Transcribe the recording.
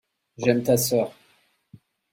j'aime ta sœur.